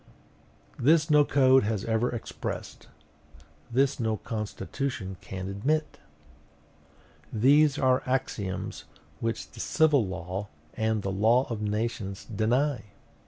This no code has ever expressed; this no constitution can admit! These are axioms which the civil law and the law of nations deny!.....